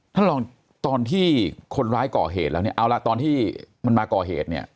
ท่านลองตอนที่คนร้ายก่อเหตุแล้วเนี่ยเอาละตอนที่มันมาก่อเหตุเนี่ย